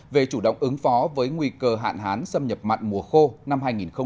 về chủ động ứng phó với nguy cơ hạn hán xâm nhập mặn mùa khô năm hai nghìn hai mươi hai nghìn hai mươi một